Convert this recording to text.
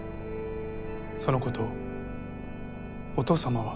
そのことをお父さまは？